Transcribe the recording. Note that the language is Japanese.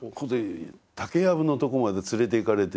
竹やぶのとこまで連れていかれてね